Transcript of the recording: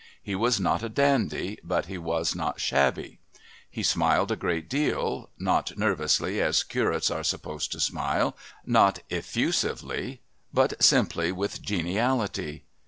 He was not a dandy, but he was not shabby. He smiled a great deal, not nervously as curates are supposed to smile, not effusively, but simply with geniality.